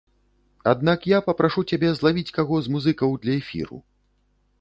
Аднак я папрашу цябе злавіць каго з музыкаў для эфіру.